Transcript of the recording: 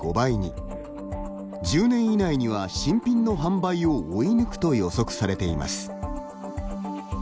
１０年以内には新品の販売を追い抜くと予測されています。